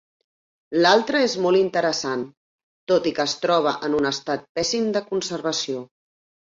L'altra és molt interessant, tot i que es troba en un estat pèssim de conservació.